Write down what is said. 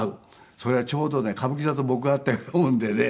それがちょうどね歌舞伎座と僕が会ったようなもんでね。